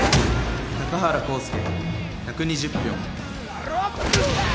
高原公介１２０票。